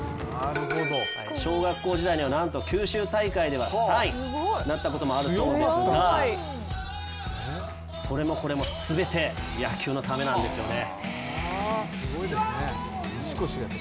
小学校時代にはなんと九州大会では３位になったこともあるそうですがそれもこれも、全て野球のためなんですよね。